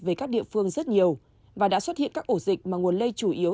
về các địa phương rất nhiều và đã xuất hiện các ổ dịch mà nguồn lây chủ yếu